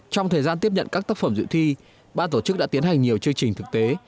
trong thời gian tiếp nhận các tác phẩm dự thi ba tổ chức đã tiến hành nhiều chương trình thực tế